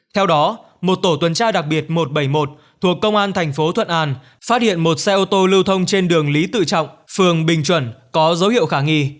theo đó một tổ tuần tra đặc biệt một trăm bảy mươi một thuộc công an thành phố thuận an phát hiện một xe ô tô lưu thông trên đường lý tự trọng phường bình chuẩn có dấu hiệu khả nghi